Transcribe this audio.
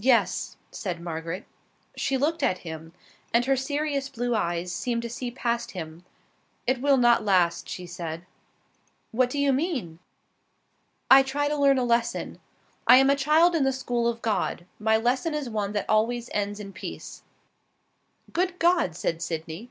"Yes," said Margaret. She looked at him, and her serious blue eyes seemed to see past him. "It will not last," she said. "What do you mean?" "I try to learn a lesson. I am a child in the school of God. My lesson is one that always ends in peace." "Good God!" said Sydney.